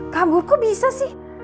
kabur kok bisa sih